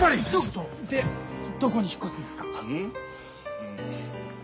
うん。